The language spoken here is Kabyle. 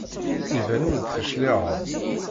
Iban ur d-tecliεeḍ.